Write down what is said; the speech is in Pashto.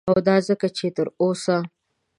او دا ځکه چه تر اوسه